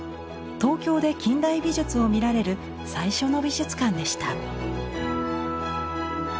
東京で近代美術を見られる最初の美術館でした。